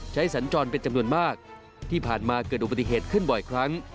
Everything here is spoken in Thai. สัญจรเป็นจำนวนมากที่ผ่านมาเกิดอุบัติเหตุขึ้นบ่อยครั้ง